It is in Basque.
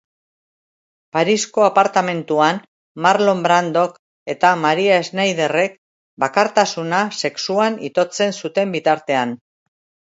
Parisko apartamentuan Marlon Brandok eta Maria Schneiderrek bakartasuna sexuan itotzen zuten bitartean.